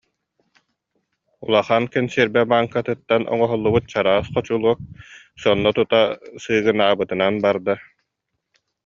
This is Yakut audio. Улахан кэнсиэрбэ бааҥкатыттан оҥоһуллубут чараас хочулуок сонно тута сыыгынаабытынан барда